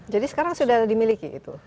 jadi sekarang sudah dimiliki itu